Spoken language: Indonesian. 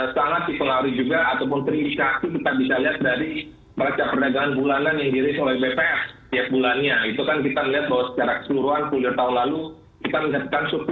terkoreksi ya pasar saham af